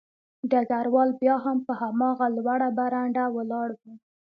ډګروال بیا هم په هماغه لوړه برنډه ولاړ و